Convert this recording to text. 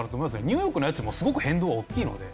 ニューヨークの家賃もすごく変動は大きいので。